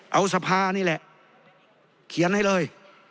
เอาสภานี่แหละเขียนให้เลย